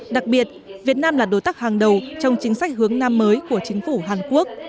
đặc biệt việt nam là đối tác hàng đầu trong chính sách hướng nam mới của chính phủ hàn quốc